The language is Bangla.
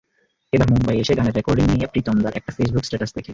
এবার মুম্বাইয়ে এসে গানের রেকর্ডিং নিয়ে প্রীতমদার একটা ফেসবুক স্ট্যাটাস দেখি।